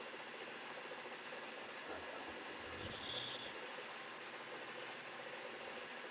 د پروتوکولي مسعود سکرتر عبدالله په بریتو ګوتې وهي.